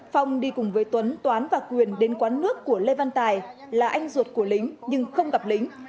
phong đi cùng với tuấn toán và quyền đến quán nước của lê văn tài là anh ruột của lính nhưng không gặp lính